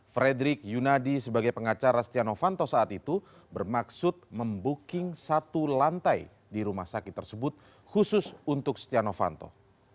frederick yunadi sebagai pengacara setia novanto saat itu bermaksud membooking satu lantai di rumah sakit tersebut khusus untuk stiano fanto